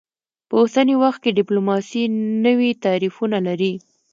په اوسني وخت کې ډیپلوماسي نوي تعریفونه لري